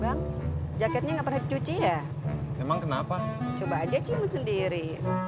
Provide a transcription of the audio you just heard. bang jaketnya pernah cuci ya emang kenapa coba aja cium sendiri